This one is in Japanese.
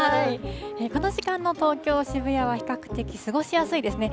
この時間の東京・渋谷は比較的過ごしやすいですね。